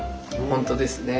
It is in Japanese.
本当ですね。